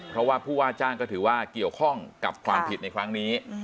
เพราะว่าผู้ว่าจ้างก็ถือว่าเกี่ยวข้องกับความผิดในครั้งนี้